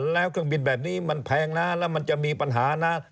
แล้วเครื่องบินแบบนี้มันแพงนะแล้วมันจะมีปัญหานะ